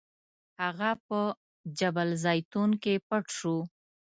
هغه په جبل الزیتون کې پټ شو.